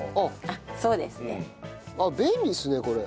あっ便利ですねこれ。